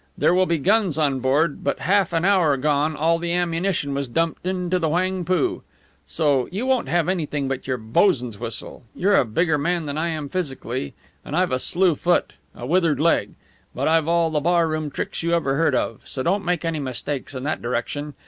There will be guns on board, but half an hour gone all the ammunition was dumped into the Whangpoo. So you won't have anything but your boson's whistle. You're a bigger man than I am physically, and I've a slue foot, a withered leg; but I've all the barroom tricks you ever heard of. So don't make any mistakes in that direction.